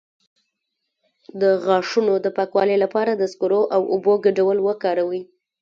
د غاښونو د پاکوالي لپاره د سکرو او اوبو ګډول وکاروئ